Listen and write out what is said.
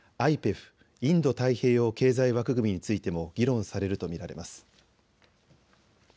・インド太平洋経済枠組みについても議論されると見られます。